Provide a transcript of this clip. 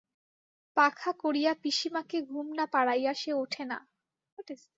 পাখা করিয়া পিসীমাকে ঘুম না পাড়াইয়া সে উঠে না।